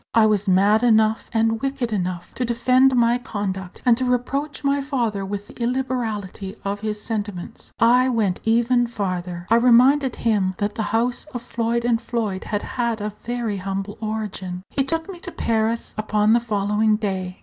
I was mad enough and wicked enough to defend my conduct, and to reproach my father with the illiberality of his sentiments. I went even farther: I reminded him that the house of Floyd and Floyd had had a very humble origin. He took me to Paris upon the following day.